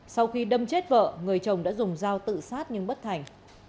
sau khi đâm chết vợ người chồng đã dùng dao tự sát nhưng bất thành